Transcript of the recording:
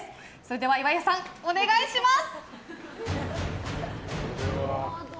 では、岩井さんお願いします！